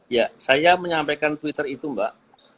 ya saya menyampaikan twitter itu mbak